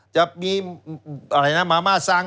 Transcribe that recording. จะมีอะไรมะมาท์สั้ง